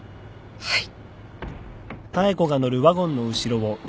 はい。